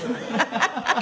ハハハハ。